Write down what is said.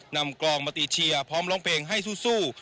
กลองมาตีเชียร์พร้อมร้องเพลงให้สู้